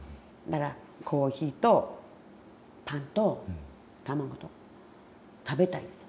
「コーヒーとパンと卵と食べたい」。